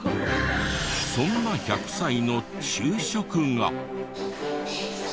そんな１００歳の昼食が。